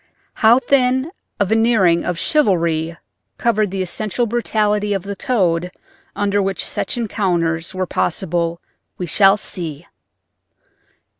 How thin a veneering of "chivalry" covered the essential brutality of the code under which such encounters were possible we shall see.